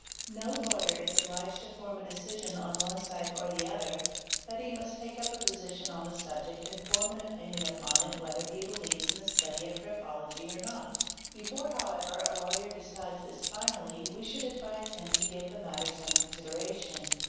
' No lawyer is obliged to form a decision on one side or the other, but he must take up a position on the subject and form an opinion upon it whether he believes in the study of graphology or not; before however a lawyer decides this finally we should advise him to give the matter some consideration.